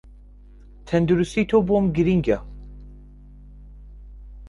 تەندروستی تۆ بۆم گرینگە